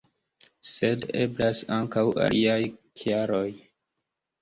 Sed eblas ankaŭ aliaj kialoj.